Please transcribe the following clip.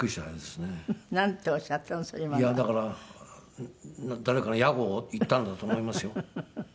いやだから誰かの屋号を言ったんだと思いますよ。